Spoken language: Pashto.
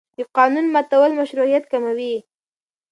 د قانون ماتول مشروعیت کموي